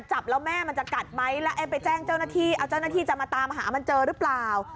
จับแล้วแม่มันจะกัดไหมแล้วไอ้ไปแจ้งเจ้าหน้าที่เอาเจ้าหน้าที่จะมาตามหามันเจอหรือเปล่า